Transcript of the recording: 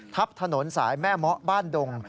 ทับถนนสายแม่มะบ้านดง